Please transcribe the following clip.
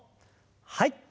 はい。